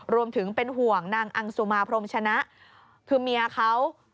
รวมถึงเป็นห่วงนางอังสุมาพรมชนะคือเมียเขา